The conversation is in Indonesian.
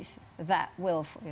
jg apakah anda melihat